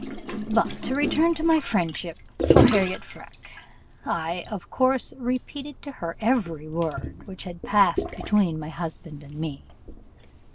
"But to return to my friendship for Harriot Freke. I, of course, repeated to her every word which had passed between my husband and me.